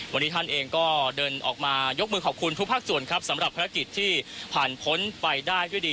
วันนี้ท่านเองก็เดินออกมายกมือขอบคุณทุกภาคส่วนครับสำหรับภารกิจที่ผ่านพ้นไปได้ด้วยดี